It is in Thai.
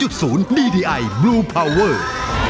โดยลองได้ให้ล้าง